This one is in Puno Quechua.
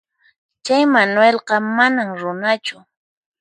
Chay Manuelqa manam runachu.